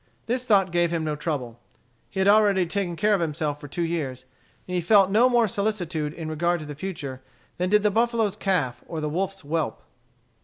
This thought gave him no trouble. He had already taken care of himself for two years, and he felt no more solicitude in regard to the future than did the buffalo's calf or the wolf's whelp.